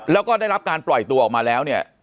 แล้วก็ได้รับการปล่อยตัวออกมาแล้วเนี่ย